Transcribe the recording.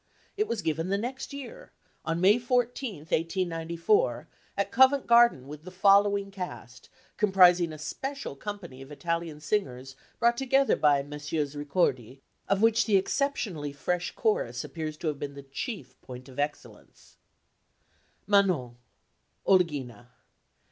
It was given the next year, on May 14, 1894, at Covent Garden with the following cast, comprising a special company of Italian singers brought together by Messrs. Ricordi, of which the exceptionally fresh chorus appears to have been the chief point of excellence: Manon OLGHINA.